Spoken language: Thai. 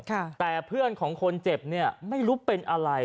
แต่เพื่อนของคนเจ็บเนี่ยไม่รู้เป็นอะไร